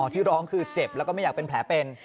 ที่ร้องคือเจ็บแล้วก็ไม่อยากเป็นแผลเป็น